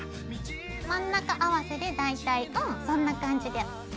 真ん中合わせで大体うんそんな感じで。